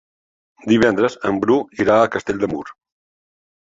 Divendres en Bru irà a Castell de Mur.